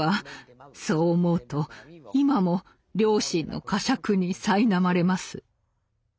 そう思うと今も良心のかしゃくにさいなまれます。